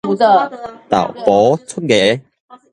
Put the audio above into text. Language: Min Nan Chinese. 豆酺出芽